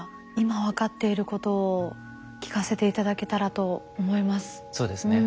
今分かっていることを聞かせて頂けたらと思います。